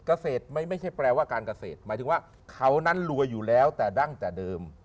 เกษตรไม่ใช่แปลว่าการเกษตรหมายถึงว่าเขานั้นรวยอยู่แล้วแต่ดั้งแต่เดิม